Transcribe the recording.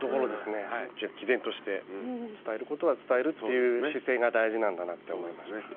きぜんとして伝えることは伝えるっていう姿勢が大事なんだなって思いました。